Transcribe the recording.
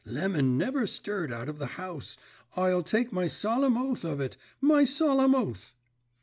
"Lemon never stirred out of the house. I'll take my solemn oath of it my solemn oath."